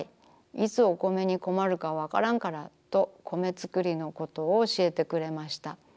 いつお米に困るかわからんからと米つくりのことを教えてくれました。